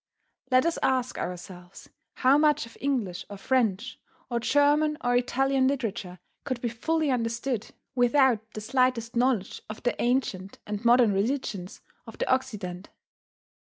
Let us ask ourselves how much of English or French or German or Italian literature could be fully understood without the slightest knowledge of the ancient and modern religions of the Occident.